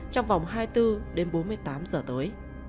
trong vòng hai mươi bốn đến bốn mươi tám giờ tới